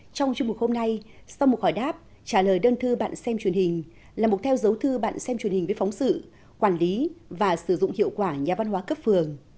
trong chuyên mục hôm nay sau một hỏi đáp trả lời đơn thư bạn xem truyền hình là mục theo dấu thư bạn xem truyền hình với phóng sự quản lý và sử dụng hiệu quả nhà văn hóa cấp phường